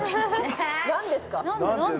何ですか？